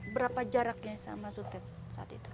berapa jaraknya sama sutep saat itu